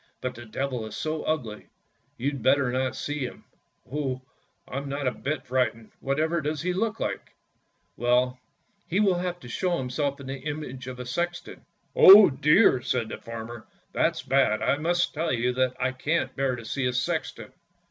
But the Devil is so ugly, you'd better not see him." "Oh! I'm not a bit frightened. Whatever does he look like? "" Well, he will show himself in the image of a sexton." "Oh, dear!" said the farmer; "that's bad! I must tell you that I can't bear to see a sexton!